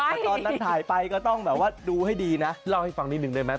แต่ตอนนั้นถ่ายไปก็ต้องแบบว่าดูให้ดีนะเล่าให้ฟังนิดนึงได้ไหม